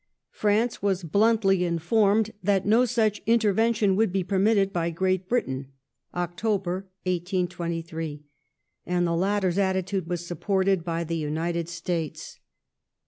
France was bluntly informed that no such intervention would be permitted by Great Britain (Oct. 1823), /.la^d. the latter's attitude was supported by the United States.